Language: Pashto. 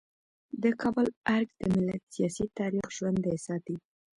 د کابل ارګ د ملت سیاسي تاریخ ژوندی ساتي.